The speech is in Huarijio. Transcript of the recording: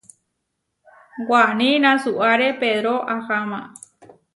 Waní nasuáre Pedró aháma.